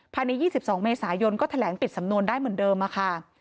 ภายใน๒๒เมษายนก็แถลงปิดสำนวนได้เหมือนเดิมค่ะ